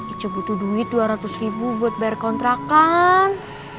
icu butuh duit dua ratus ribu buat bayar kontrakan